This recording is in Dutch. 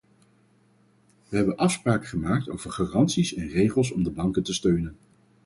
Wij hebben afspraken gemaakt over garanties en regels om de banken te steunen.